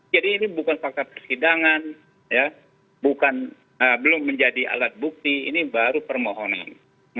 jadi ini bukan fakta persidangan belum menjadi alat bukti ini baru permohonan